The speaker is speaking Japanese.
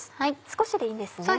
少しでいいんですね？